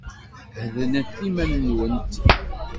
Heddnet iman-nwent.